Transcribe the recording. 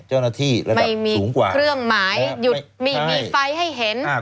เจ้าหน้าที่ระดับสูงกว่าไม่มีเครื่องหมายมีไฟให้เห็น